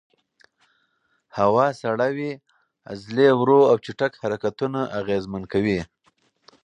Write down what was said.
هوا سړه وي، عضلې ورو او چټک حرکتونه اغېزمن کوي.